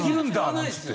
なんつってね。